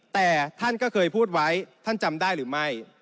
แต่ท่านก็เคยพูดไว้ท่านจำได้หรือไม่